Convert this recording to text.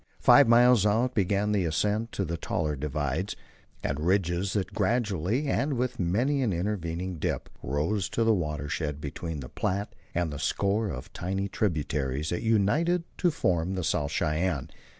Five miles out began the ascent to the taller divides and ridges that gradually, and with many an intervening dip, rose to the watershed between the Platte and the score of tiny tributaries that united to form the South Cheyenne.